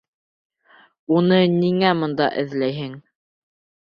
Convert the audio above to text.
Уны ниңә бында эҙләйһең?